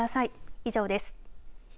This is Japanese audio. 以上です。